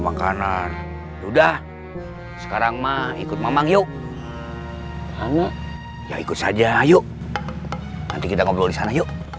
makanan udah sekarang mah ikut memang yuk ya ikut saja ayo nanti kita ngobrol di sana yuk